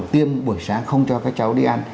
tiêm buổi sáng không cho các cháu đi ăn